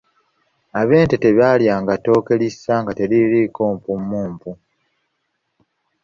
Abente tebaalyanga ttooke lissa nga teririiko mpummumpu.